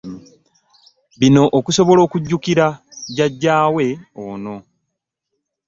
Bino okusobola okujjukira Jjajaawe ono.